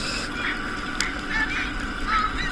رواني ازموینې باید په احتیاط وکارول سي.